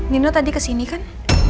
nino tadi kesini kan